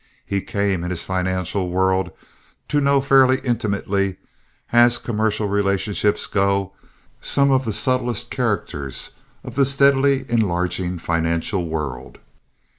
He came, in his financial world, to know fairly intimately, as commercial relationships go, some of the subtlest characters of the steadily enlarging financial world.